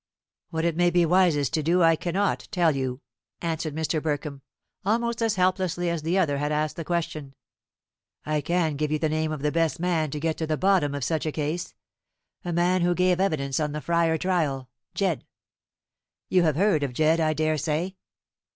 "What it may be wisest to do I cannot tell you," answered Mr. Burkham, almost as helplessly as the other had asked the question. "I can give you the name of the best man to get to the bottom of such a case a man who gave evidence on the Fryar trial Jedd. You have heard of Jedd, I daresay.